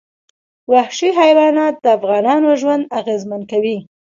وحشي حیوانات د افغانانو ژوند اغېزمن کوي.